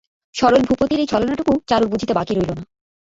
সরল ভূপতির এই ছলনাটুকু চারুর বুঝিতে বাকি রইল না।